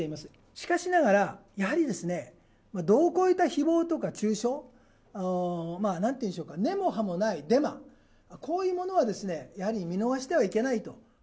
しかしながら、やはりですね、度を超えたひぼうとか中傷、なんていうんでしょうか、根も葉もないデマ、こういうものはですね、やはり見逃してはいけないと。